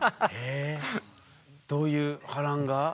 えっどういう波乱が？